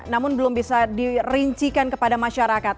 namun belum bisa dirincikan kepada masyarakat